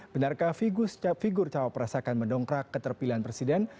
benarkah figur cawa pres akan mendongkrak keterpilihan presiden